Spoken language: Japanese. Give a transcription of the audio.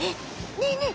ねえねえ